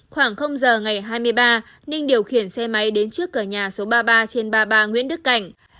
khoảng giờ ngày hai mươi ba ninh điều khiển xe máy đến trước cửa nhà số ba mươi ba trên ba mươi ba nguyễn đức cảnh